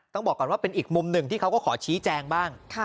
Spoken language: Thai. ต้องบอกก่อนว่าเป็นอีกมุมหนึ่งที่เขาก็ขอชี้แจงบ้าง